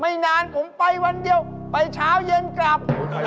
ไม่นานผมไปวันเดียวไปเช้าเย็นกลับ